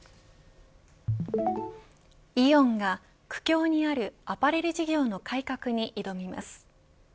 イオンが苦境にあるアパレル事業の改革に挑みます。